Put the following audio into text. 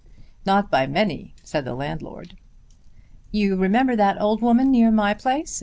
"Not by many," said the landlord. "You remember that old woman near my place?"